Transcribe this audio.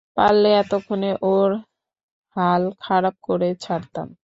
পারলে, এতক্ষনে ওর হাল খারাপ করে ছাড়তাম।